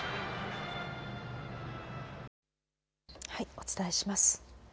お伝えします。